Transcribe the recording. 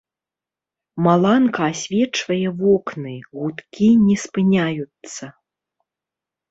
Маланка асвечвае вокны, гудкі не спыняюцца.